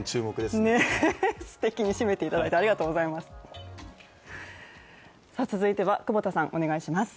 すてきに締めていただいてありがとうございます。